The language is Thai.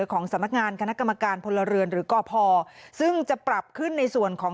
ของสำนักงานคณะกรรมการพลเรือนหรือกพซึ่งจะปรับขึ้นในส่วนของ